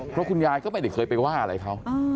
เพราะคุณยายก็ไม่ได้เคยไปว่าอะไรเขา